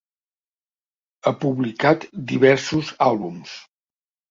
Ha publicat diversos àlbums.